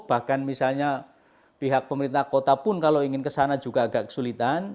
bahkan misalnya pihak pemerintah kota pun kalau ingin kesana juga agak kesulitan